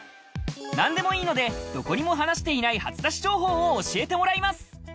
何でもいいので、どこにも話していない初出し情報を教えてもらいます。